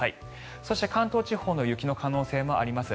そして、関東地方の雪の可能性もあります。